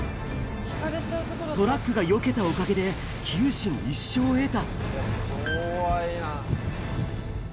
トラックがよけたおかげで、九死に一生を得た。